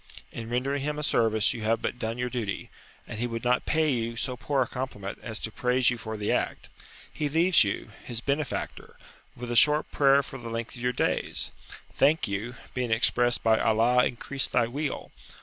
In rendering him a service you have but done your duty, and he would not pay you so poor a compliment as to praise you for the act. He leaves you, his benefactor, with a short prayer for the length of your days. "Thank you," being expressed by "Allah increase thy weal!"